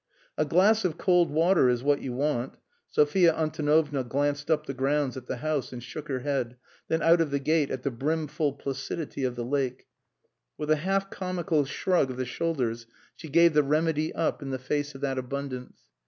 "A glass of cold water is what you want." Sophia Antonovna glanced up the grounds at the house and shook her head, then out of the gate at the brimful placidity of the lake. With a half comical shrug of the shoulders, she gave the remedy up in the face of that abundance.